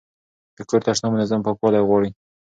د کور تشناب منظم پاکوالی غواړي.